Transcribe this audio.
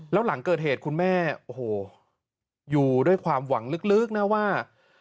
แล้วหลังเกิดเหตุคุณแม่โอ้โหอยู่ด้วยความหวังลึกนะว่า